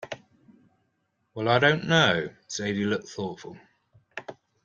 “Well, I don’t know.” Zadie looked thoughtful.